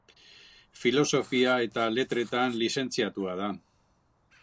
Filosofia eta Letretan lizentziatua da.